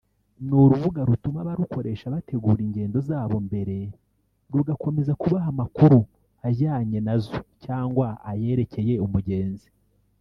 Ni urubuga rutuma abarukoresha bategura ingendo zabo mbere rugakomeza kubaha amakuru ajyanye nazo cyangwa ayerekeye umugenzi